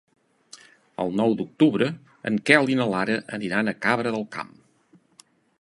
El nou d'octubre en Quel i na Lara aniran a Cabra del Camp.